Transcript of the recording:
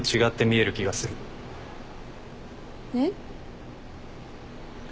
えっ？